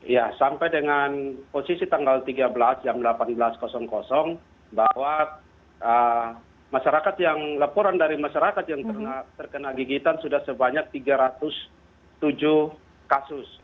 ya sampai dengan posisi tanggal tiga belas jam delapan belas bahwa laporan dari masyarakat yang terkena gigitan sudah sebanyak tiga ratus tujuh kasus